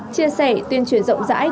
chia sẻ tuyên truyền rộng rãi